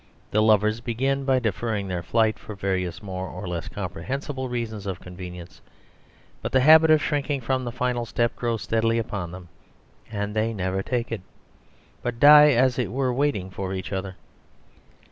The lovers begin by deferring their flight for various more or less comprehensible reasons of convenience; but the habit of shrinking from the final step grows steadily upon them, and they never take it, but die, as it were, waiting for each other.